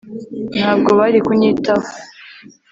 ntabwo bari kunyitaho